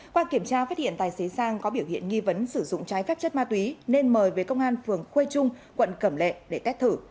qua kiểm tra phát hiện tài xế sang có biểu hiện nghi vấn sử dụng trái phép chất ma túy nên mời về công an phường khuê trung quận cẩm lệ để tét thử